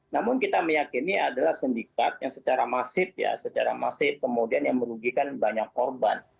namun kita meyakini adalah sindikat yang secara masif ya secara masif kemudian yang merugikan banyak korban